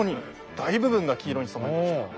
大部分が黄色に染まりましたはい。